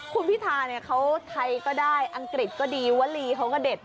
คุณพิธาเนี่ยเขาไทยก็ได้อังกฤษก็ดีวลีเขาก็เด็ด